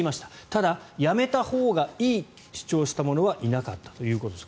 ただ、やめたほうがいいと主張した者はいなかったということです。